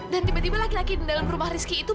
dan tiba tiba laki laki di dalam rumah rizky itu